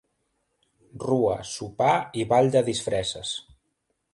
Rua, sopar i ball de disfresses.